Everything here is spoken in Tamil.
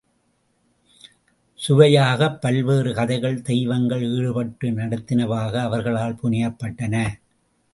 சுவையாகப் பல்வேறு கதைகள் தெய்வங்கள் ஈடுபட்டு நடத்தினவாக அவர்களால் புனையப்பட்டன.